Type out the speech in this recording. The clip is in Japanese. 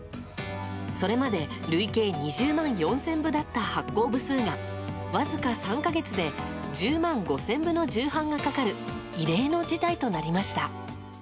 それまで累計２０万４０００部だった発行部数がわずか３か月で１０万５０００部の重版がかかる異例の事態となりました。